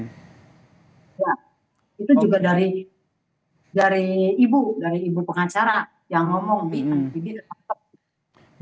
ya itu juga dari ibu dari ibu pengacara yang ngomong nih